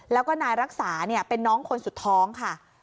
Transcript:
แล้วก็นายรักษาเป็นน้องคนสุดท้องค่ะ